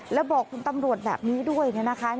แล้วบอกคุณตำรวจแบบนี้ด้วยนะคะ